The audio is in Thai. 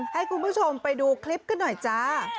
ให้คุณผู้ชมไปดูคลิปกันหน่อยจ้า